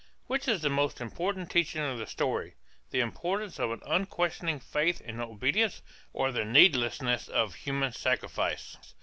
Which is the most important teaching of the story: the importance of an unquestioning faith and obedience, or the needlessness of human sacrifice?